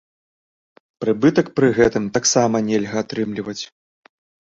Прыбытак пры гэтым таксама нельга атрымліваць.